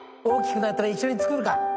大きくなったら一緒に作るか。